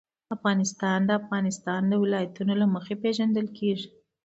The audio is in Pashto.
افغانستان د د افغانستان ولايتونه له مخې پېژندل کېږي.